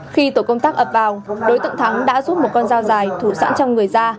khi tổ công tác ập vào đối tượng thắng đã rút một con dao dài thủ sẵn trong người ra